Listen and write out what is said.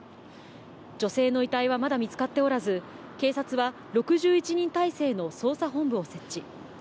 女性の遺体はまだ見つかっておらず、警察は６１人態勢の捜査本部を設置。